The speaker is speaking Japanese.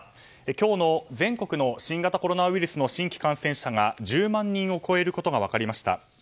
今日の全国の新型コロナウイルス新規感染者が１０万人を超えることが分かりました。